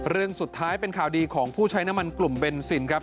เรื่องสุดท้ายเป็นข่าวดีของผู้ใช้น้ำมันกลุ่มเบนซินครับ